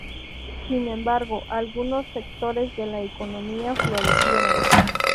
Sin embargo, algunos sectores de la economía florecieron.